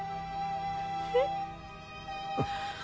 えっ？